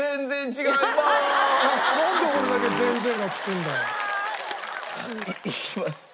なんで俺だけ「全然」が付くんだよ。いきます。